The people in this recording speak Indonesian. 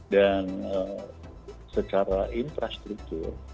dan secara infrastruktur